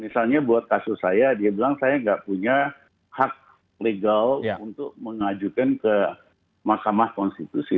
misalnya buat kasus saya dia bilang saya nggak punya hak legal untuk mengajukan ke mahkamah konstitusi